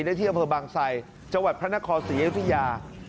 ได้เที่ยวเผอร์บังไสจังหวัดพระนครศรีเอวธิยา